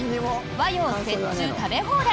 和洋折衷食べ放題！